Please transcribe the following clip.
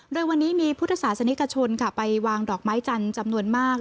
โดยวันนี้มีพุทธศาสนิกชนไปวางดอกไม้จันทร์จำนวนมาก